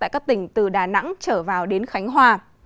tại các tỉnh từ đà nẵng trở vào đến khánh hòa